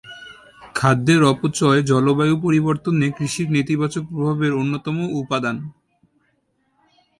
খাদ্যের অপচয় জলবায়ু পরিবর্তনে কৃষির নেতিবাচক প্রভাবের অন্যতম উপাদান।